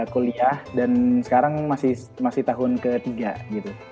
kuliah dan sekarang masih tahun ketiga gitu